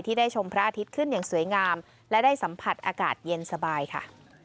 ได้ชมพระอาทิตย์ขึ้นอย่างสวยงามและได้สัมผัสอากาศเย็นสบายค่ะ